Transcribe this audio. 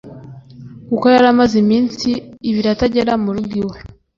kuko yari amaze iminsi ibiri atagera murugo iwe